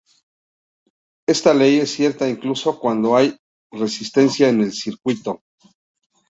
Esta ley es cierta incluso cuando hay resistencia en el circuito.